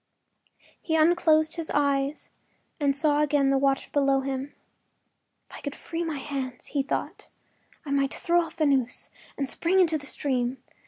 He unclosed his eyes and saw again the water below him. “If I could free my hands,” he thought, “I might throw off the noose and spring into the stream.